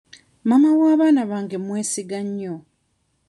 Maama w'abaana bange mwesiga nnyo.